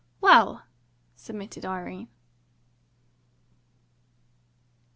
"Well," submitted Irene.